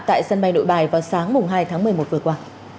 tại sân bay nội bài vào sáng hai tháng một mươi một vừa qua